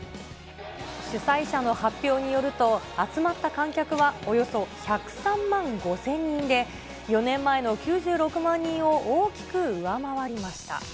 主催者の発表によると、集まった観客はおよそ１０３万５０００人で、４年前の９６万人を大きく上回りました。